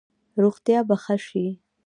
روغتیا به ښه شي؟